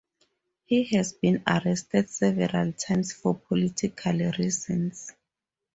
He has been arrested several times for political reasons.